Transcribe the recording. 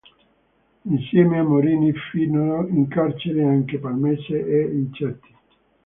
Insieme a Morini finirono in carcere anche Palmese e Incerti.